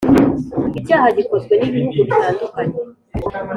icyaha gikozwe n ibihugu bitandukanye